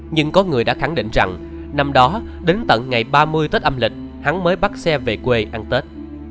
nhưng có người đã khẳng định rằng năm đó đến tận ngày ba mươi tết âm lịch hắn mới bắt xe về quê ăn tết